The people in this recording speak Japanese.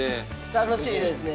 ◆楽しいですね。